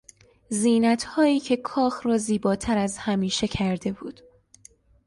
زینتهایی که کاخ را زیباتر از همیشه کرده بود